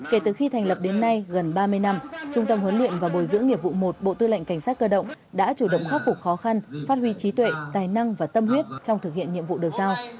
kể từ khi thành lập đến nay gần ba mươi năm trung tâm huấn luyện và bồi dưỡng nghiệp vụ một bộ tư lệnh cảnh sát cơ động đã chủ động khắc phục khó khăn phát huy trí tuệ tài năng và tâm huyết trong thực hiện nhiệm vụ được giao